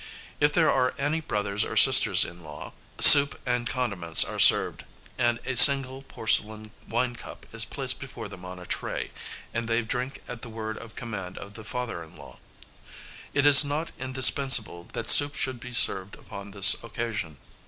If there are any brothers or sisters in law, soup and condiments are served, and a single porcelain wine cup is placed before them on a tray, and they drink at the word of command of the father in law. It is not indispensable that soup should be served upon this occasion.